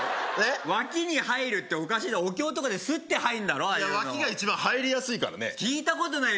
脇に入るっておかしいだろお経とかでスッて入んだろ脇が一番入りやすいからね聞いたことないよ